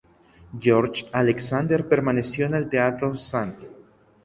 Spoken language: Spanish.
George Alexander permaneció en el Teatro St.